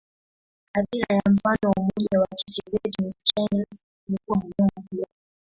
Athira ya mfano wa Umoja wa Kisovyeti na China ilikuwa muhimu pia.